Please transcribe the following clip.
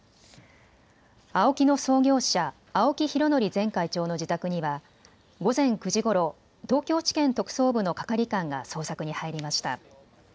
ＡＯＫＩの創業者、青木拡憲前会長の自宅には午前９時ごろ、東京地検特捜部の係官が捜索に入りました。